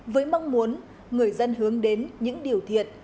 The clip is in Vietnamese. với mong muốn người dân hướng đến những điều thiệt